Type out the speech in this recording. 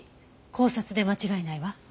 絞殺で間違いないわ。